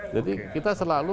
jadi kita selalu